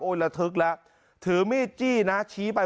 โอ้ยละทฤกษ์ถือมีดจี้น้าชี้ไป